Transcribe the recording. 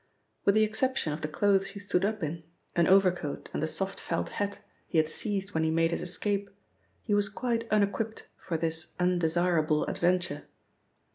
With the exception of the clothes he stood up in, an overcoat and the soft felt hat he had seized when he made his escape, he was quite unequipped for this undesirable adventure.